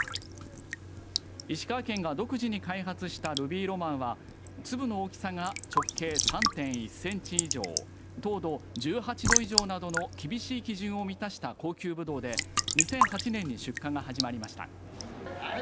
石川県が独自に開発したルビーロマンは粒の大きさが直径３．１センチ以上糖度１８度以上などの厳しい基準を満たした高級ぶどうで２００８年に出荷が始まりました。